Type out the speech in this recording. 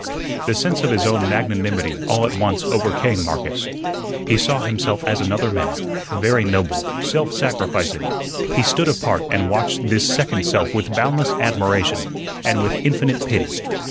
The sense of his own magnanimity all at once overcame Marcus. He saw himself as another man, very noble, self sacrificing; he stood apart and watched this second self with boundless admiration and with infinite pity.